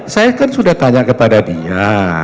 saya kan sudah tanya kepada dia